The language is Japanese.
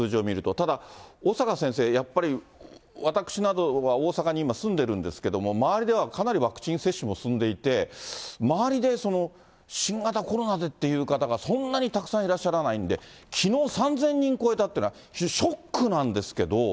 ただ、小坂先生、やっぱり私などは大阪に今、住んでいるんですけれども、周りではかなりワクチン接種も進んでいて、周りで新型コロナでっていう方がそんなにたくさんいらっしゃらないんで、きのう３０００人超えたというのはショックなんですけど。